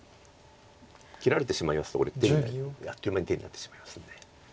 切られてしまいますとこれあっという間に手になってしまいますんで。